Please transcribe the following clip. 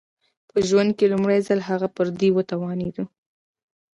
په ژوند کې لومړی ځل هغه پر دې وتوانېد